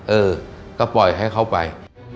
เออก็ปล่อยให้เขาไป